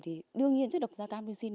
thì đương nhiên chất độc da cam đưa xin